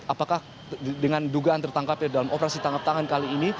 apakah dengan dugaan tertangkapnya dalam operasi tangkap tangan kali ini